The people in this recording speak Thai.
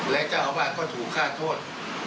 และเจ้าพระบาทก็ถูกฆ่าโทษ